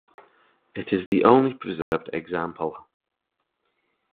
It is the only preserved example.